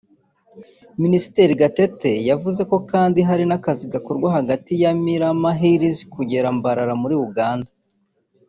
Minisitiri Gatete yavuze ko hari n’akandi kazi gakorwa hagati ya Mirama Hills kugera Mbarara muri Uganda